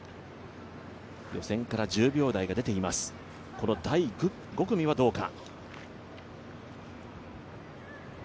予選から１０秒台が出ています、第５組はどうか。